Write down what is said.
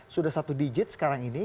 sudah satu digit sekarang ini